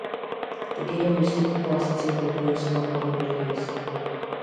The game received positive reviews upon release.